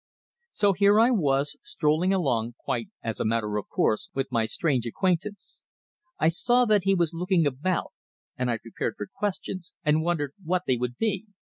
So here I was, strolling along quite as a matter of course with my strange acquaintance. I saw that he was looking about, and I prepared for questions, and wondered what they would be.